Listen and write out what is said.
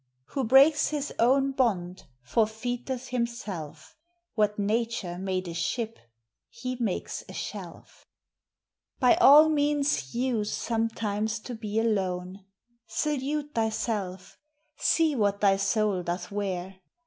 Who breaks his own bond, forfeiteth himself: What nature made a ship, he makes a shelf. By all means use sometimes to be alone. Salute thyself: see what thy soul doth wear.